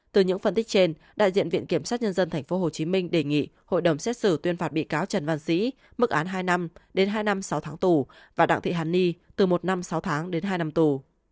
từ những phân tích trên đại diện viện kiểm sát nhân dân tp hcm đề nghị hội đồng xét xử tuyên phạt bị cáo trần văn sĩ mức án hai năm đến hai năm sáu tháng tù và đặng thị hàn ni từ một năm sáu tháng đến hai năm tù